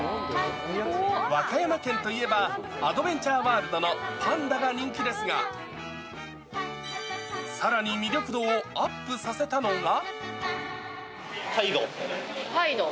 和歌山県といえば、アドベンチャーワールドのパンダが人気ですが、さらに魅力度をアップさせたのが。